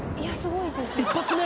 １発目？